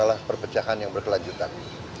jadi masalah perpecahan yang berkelanjutan